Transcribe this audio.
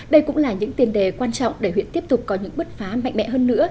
đây cũng là những tiền đề quan trọng để huyện tiếp tục có những bước phá mạnh mẽ hơn nữa